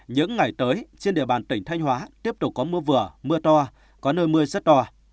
những ngày tới trên địa bàn tỉnh thanh hóa tiếp tục có mưa vừa mưa to có nơi mưa rất to